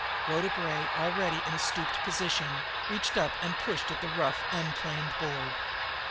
Rhoda Gray, already in a stooped position, reached up, and pushed at a rough, unplaned board.